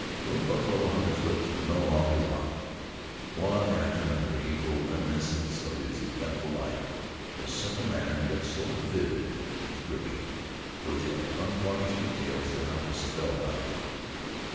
The old buffalo hunter's lips were no longer locked. One after another he told reminiscences of his eventful life, in a simple manner; yet so vivid and gripping were the unvarnished details that I was spellbound.